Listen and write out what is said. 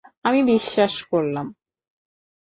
আমি বিশ্বাস করলাম।